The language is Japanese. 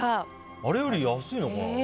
あれより安いのかな